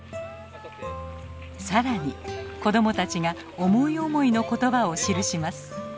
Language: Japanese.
更に子供たちが思い思いの言葉を記します。